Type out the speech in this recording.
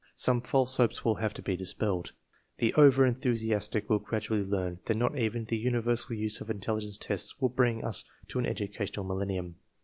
Some false hopes will have to be dispelled. The over enthu siastic will gradually learn that not even the universal use of intelligence tests will bring us to an educational millennium.